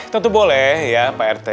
tentu boleh ya pak rt